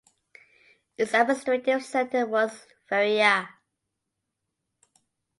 Its administrative centre was Vereya.